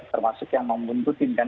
termasuk yang membuntutin kan